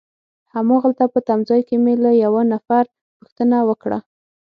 هماغلته په تمځای کي مې له یوه نفر پوښتنه وکړه.